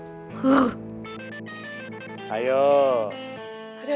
aduh aduh pokoknya si boy harus nurut sama mama